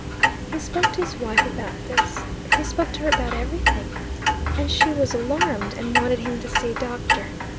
He spoke to his wife about this, he spoke to her about everything, and she was alarmed, and wanted him to see a doctor.